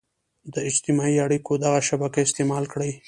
د اجتماعي اړيکو دغه شبکه استعمال کړي.